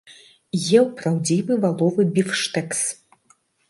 Еў праўдзівы валовы біфштэкс.